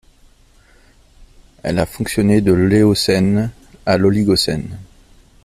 Elle a fonctionné de l'éocène à l'oligocène.